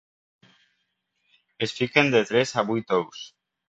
Es fiquen de tres a vuit ous.